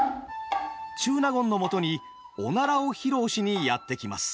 中納言のもとにおならを披露しにやって来ます。